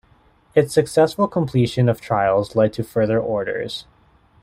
Its successful completion of trials led to further orders.